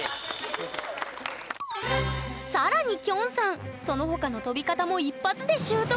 更にきょんさんその他の跳び方も一発で習得！